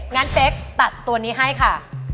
งั้นเป๊กตัดตัวนี้ให้ค่ะ